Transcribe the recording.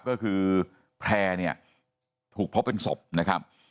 ก็คือแพร่เนี่ยถูกพบเป็นศพนะครับ